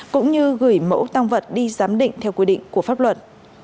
cũng như gửi mẫu tăng vật đi giám định theo quy định của pháp luật